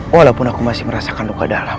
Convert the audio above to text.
walaupun aku masih merasakan luka dalam